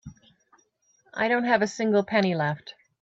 I don't have a single penny left.